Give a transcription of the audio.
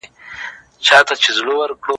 عاقل نه سوې چي مي څومره خوارۍ وکړې